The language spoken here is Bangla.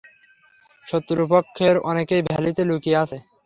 শত্রুপক্ষের অনেকেই ভ্যালিতে লুকিয়ে আছে।